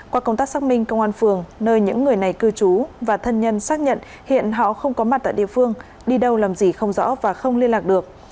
qua công tác xác minh công an phường nơi những người này cư trú và thân nhân xác nhận hiện họ không có mặt tại địa phương đi đâu làm gì không rõ và không liên lạc được